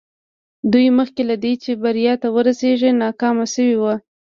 دوی مخکې له دې چې بريا ته ورسېږي ناکام شوي وو.